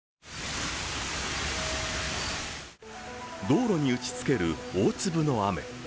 道路に打ちつける大粒の雨。